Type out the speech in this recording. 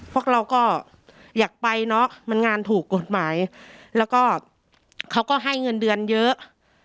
พวกเราก็อยากไปเนอะมันงานถูกกฎหมายแล้วก็เขาก็ให้เงินเดือนเยอะ